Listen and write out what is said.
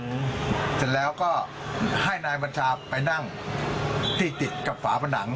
เสร็จแล้วก็ให้นายบัญชาไปนั่งที่ติดกับฝาผนัง